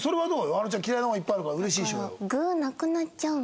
あのちゃん嫌いなものいっぱいあるからうれしいでしょうよ。